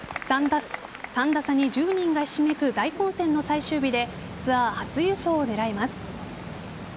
３打差に１０人がひしめく大混戦の最終日でツアー初優勝を狙います。